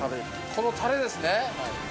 このタレですね